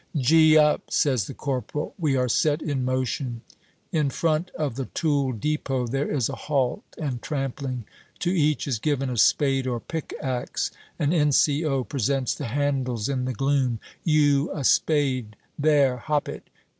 "Gee up!" says the corporal. We are set in motion. In front of the tool depot there is a halt and trampling. To each is given a spade or pickax. An N.C.O. presents the handles in the gloom: "You, a spade; there, hop it!